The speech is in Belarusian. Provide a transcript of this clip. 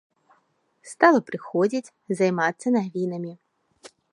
Стала прыходзіць, займацца навінамі.